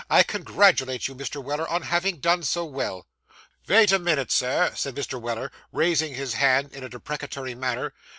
I congratulate you, Mr. Weller, on having done so well.' 'Vait a minit, Sir,' said Mr. Weller, raising his hand in a deprecatory manner.